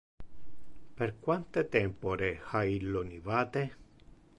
Per quante tempore ha illo nivate?